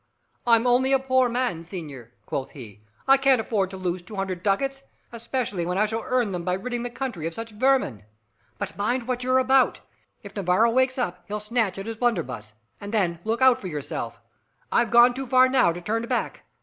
"I'm only a poor man, senor," quoth he, "I can't afford to lose two hundred ducats especially when I shall earn them by ridding the country of such vermin. But mind what you're about! If Navarro wakes up, he'll snatch at his blunderbuss, and then look out for yourself! I've gone too far now to turn back.